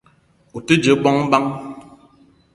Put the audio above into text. O te dje bongo bang ?